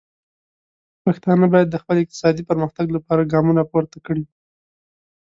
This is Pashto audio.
پښتانه باید د خپل اقتصادي پرمختګ لپاره ګامونه پورته کړي.